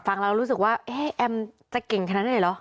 ผมฟังแล้วรู้สึกว่าแอมจะเก่งขนาดนั้นได้หรอ